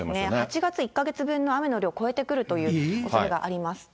８月１か月分の雨の量、超えてくるというおそれがあります。